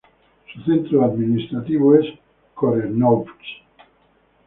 Su centro administrativo es Korenovsk.